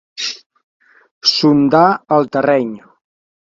Sondar el terreny.